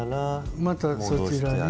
またそちらに。